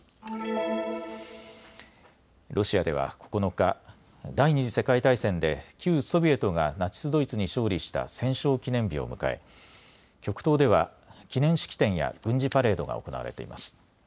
ロシアでは９日、第２次世界大戦で旧ソビエトがナチス・ドイツに勝利した戦勝記念日を迎え極東では記念式典や軍事パレードが行われています。